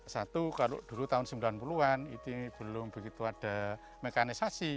satu kalau dulu tahun sembilan puluh an itu belum begitu ada mekanisasi